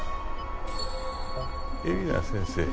海老名先生